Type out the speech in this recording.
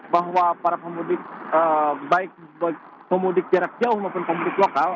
bahwa para pemudik baik pemudik jarak jauh maupun pemudik lokal